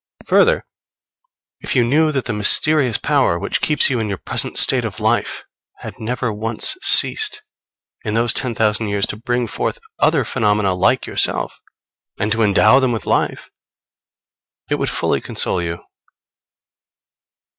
Further, if you knew that the mysterious power which keeps you in your present state of life had never once ceased in those ten thousand years to bring forth other phenomena like yourself, and to endow them with life, it would fully console you.